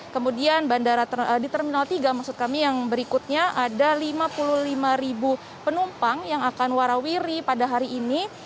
kemudian di terminal tiga maksud kami yang berikutnya ada lima puluh lima ribu penumpang yang akan warawiri pada hari ini